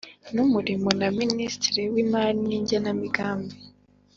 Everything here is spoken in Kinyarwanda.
n Umurimo na Minisitiri w Imari n Igenamigambi